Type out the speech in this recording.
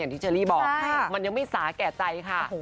ที่เชอรี่บอกมันยังไม่สาแก่ใจค่ะ